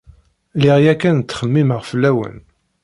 Lliɣ yakan ttxemmimeɣ fell-awen.